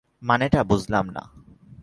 মানেটা বুঝলাম না।